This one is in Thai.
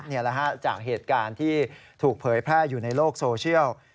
นี่แหละฮะจากเหตุการณ์ที่ถูกเผยแพร่อยู่ในโลกโซเชียล